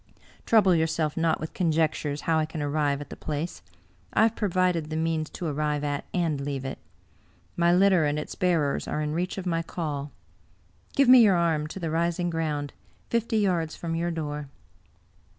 Trouble yourself not with conjectures how I can arrive at the place. I have provided the means to arrive at and leave it. My litter and its bearers are in reach of my call. Give me your arm to the rising g^oimd, fifty yards from your door."